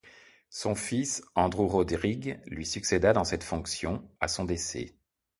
Son fils, Andrew Rodrigue, lui succéda dans cette fonction à son décès.